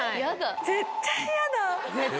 絶対やだ。